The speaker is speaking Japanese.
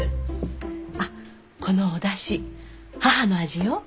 あっこのおだし母の味よ。